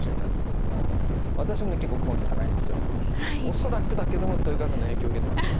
恐らくだけども豊川さんの影響受けてますね。